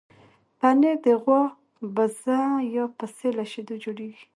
پنېر د غوا، بزه یا پسې له شیدو جوړېږي.